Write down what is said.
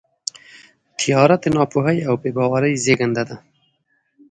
تیاره د ناپوهۍ او بېباورۍ زېږنده ده.